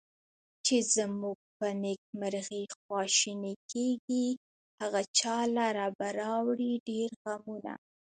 چې زمونږ په نیکمرغي خواشیني کیږي، هغه چا لره به راوړي ډېر غمونه